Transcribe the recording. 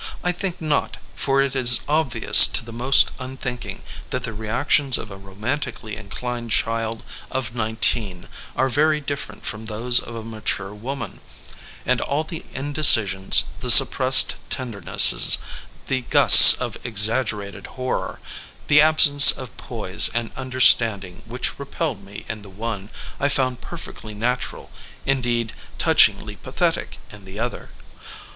I think not, for it is obvious to the most un thinking that the reactions of a romantically inclined child of nineteen are very different from those of a mature woman, and all the indecisions, the sup pressed tendernesses, the gusts of exaggerated hor ror, the absence of poise and understanding which repelled me in the one, I found perfectly natural, in deed touchingly pathetic in the other.